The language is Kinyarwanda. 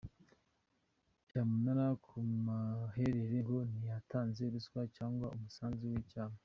cyamunara ku maherere ngo ntiyatanze ruswa cyanga umusanzu w’Icyama